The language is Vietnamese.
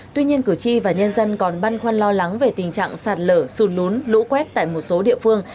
tuy nhiên cử tri và nhân dân còn băn khoăn lo lắng về tình trạng sạt lở xùn lún lũ quét tại một số địa phương